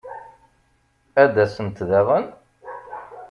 Ad d-asent daɣen?